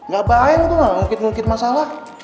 gak apa apa ya lo tuh ngelukit ngelukit masalah